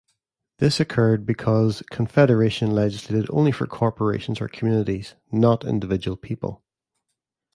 This occurred because Confederation legislated only for corporations or communities, not individual people.